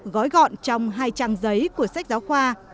gói gọn trong hai trang giấy của sách giáo khoa